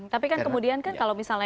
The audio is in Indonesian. tapi kan kemudian kan kalau misalnya